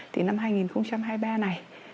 thì năm hai nghìn hai mươi ba này